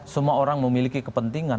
semua orang memiliki kepentingan